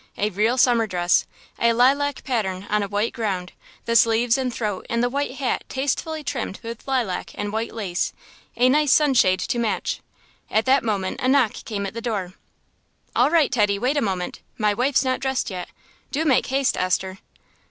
A real summer dress! A lilac pattern on a white ground, the sleeves and throat and the white hat tastefully trimmed with lilac and white lace; a nice sunshade to match. At that moment a knock came at the door. "All right, Teddy, wait a moment, my wife's not dressed yet. Do make haste, Esther."